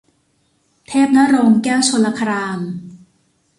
เทพณรงค์ แก้วชลคราม